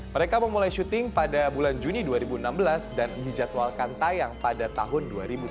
mereka memulai syuting pada bulan juni dua ribu enam belas dan dijadwalkan tayang pada tahun dua ribu sembilan belas